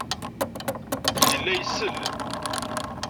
Yella isell.